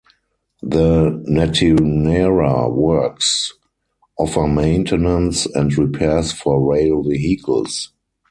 The Netinera Works offer maintenance and repairs for rail vehicles.